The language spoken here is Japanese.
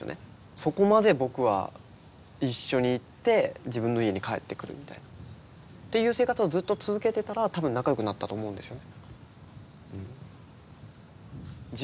そこまで僕は一緒に行って自分の家に帰ってくるみたいなっていう生活をずっと続けてたら多分仲良くなったと思うんですよね。